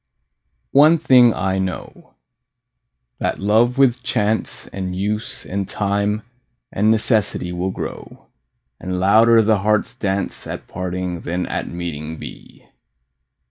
One thing I know, that love with chance And use and time and necessity Will grow, and louder the heart's dance At parting than at meeting be.